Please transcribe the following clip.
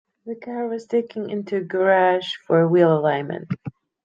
The car was taken into the garage for a Wheel Alignment.